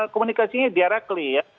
komunikasinya biara kli ya